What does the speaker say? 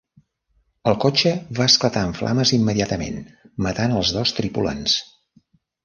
El cotxe va esclatar en flames immediatament, matant els dos tripulants.